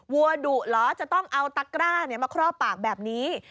วัวดุเหรอจะต้องเอาตะกร้ามาครอบปากแบบนี้